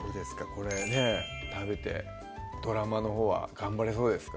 これね食べてドラマのほうは頑張れそうですか？